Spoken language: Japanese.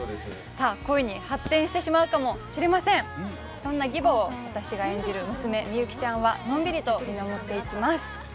さあ恋に発展してしまうかもしれませんそんな義母を私が演じる娘・みゆきちゃんはのんびりと見守っていきます